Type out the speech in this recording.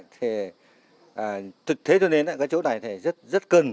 thế cho nên cái chỗ này rất cần là lúc nào cũng phải truyền dạy